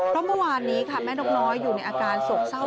เพราะเมื่อวานนี้ค่ะแม่นกน้อยอยู่ในอาการโศกเศร้า